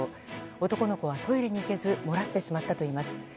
男の子はトイレに行けず漏らしてしまったといいます。